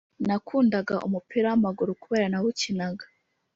Nakundaga umupira wamaguru kubera nawukinaga